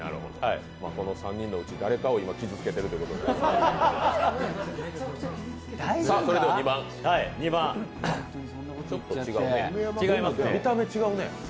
この３人のうち、誰かを今、傷つけてるということですね。